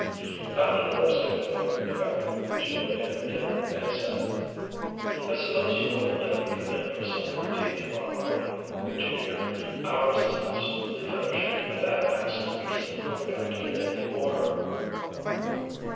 After the rescue had been effected she looked in again and said: "I suppose you wouldn't let me come in for some of your tea tomorrow morning, would you, dear? Ours is absolutely finished, and that ass Henderson forgot to get any more."